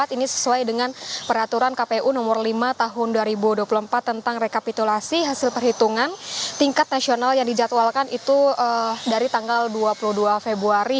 ini sesuai dengan peraturan kpu nomor lima tahun dua ribu dua puluh empat tentang rekapitulasi hasil perhitungan tingkat nasional yang dijadwalkan itu dari tanggal dua puluh dua februari